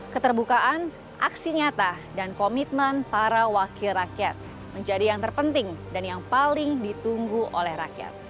keterbukaan aksi nyata dan komitmen para wakil rakyat menjadi yang terpenting dan yang paling ditunggu oleh rakyat